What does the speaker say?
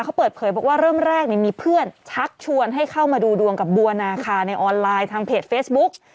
เขาเปิดเผยบอกว่าเริ่มแรกมีเพื่อนชักชวนให้เข้ามาดูดวงกับบัวนาคาในออนไลน์ทางเพจเฟซบุ๊ก